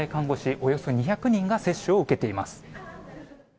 およそ２００人が接種を受けています。